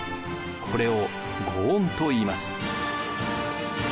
これを御恩といいます。